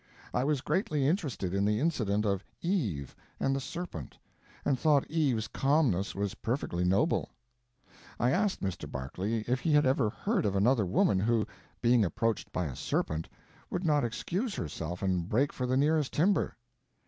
I was greatly interested in the incident of Eve and the serpent, and thought Eve's calmness was perfectly noble. I asked Mr. Barclay if he had ever heard of another woman who, being approached by a serpent, would not excuse herself and break for the nearest timber.